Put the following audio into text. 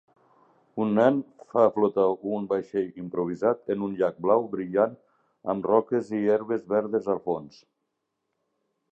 Un nen fa flotar un vaixell improvisat en un llac blau brillant amb roques i herbes verdes al fons